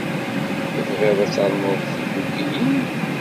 Tebɣiḍ ad ternuḍ tikukiyin?